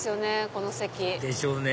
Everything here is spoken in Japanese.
この席。でしょうね